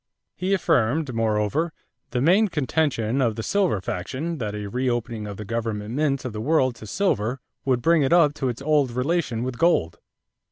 He affirmed, moreover, the main contention of the silver faction that a reopening of the government mints of the world to silver would bring it up to its old relation with gold.